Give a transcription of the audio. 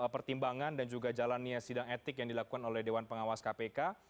pertimbangan dan juga jalannya sidang etik yang dilakukan oleh dewan pengawas kpk